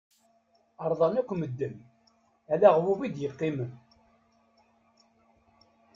Ṛḍan akk medden, ala aɣbub i d-iqqimen.